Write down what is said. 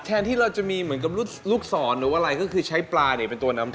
แทนที่เราจะมีเหมือนกับลูกศรหรือว่าอะไรก็คือใช้ปลาเนี่ยเป็นตัวนำ